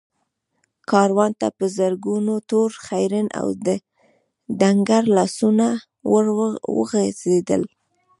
کاروان ته په زرګونو تور، خيرن او ډنګر لاسونه ور وغځېدل.